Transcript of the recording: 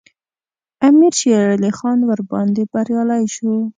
امیر شېرعلي خان ورباندې بریالی شو.